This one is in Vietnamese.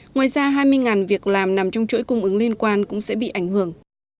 ngoài ra hai mươi việc làm nằm trong chuỗi cung ứng liên quan cũng sẽ bị ảnh hưởng